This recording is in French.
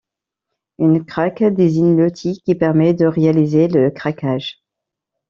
Une crack désigne l'outil qui permet de réaliser le craquage.